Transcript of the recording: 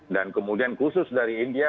dan kemudian khusus dari india